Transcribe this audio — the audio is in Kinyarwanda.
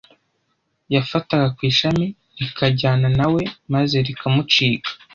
yafata ku ishami rikajyana na we maze rikamucika